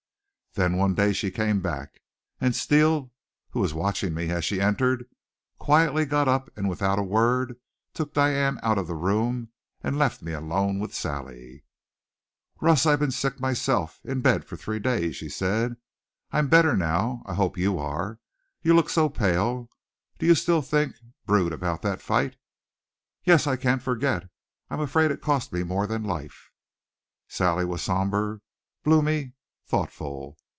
Then, one day she came back, and Steele, who was watching me as she entered, quietly got up and without a word took Diane out of the room and left me alone with Sally. "Russ, I've been sick myself in bed for three days," she said. "I'm better now. I hope you are. You look so pale. Do you still think, brood about that fight?" "Yes, I can't forget. I'm afraid it cost me more than life." Sally was somber, bloomy, thoughtful.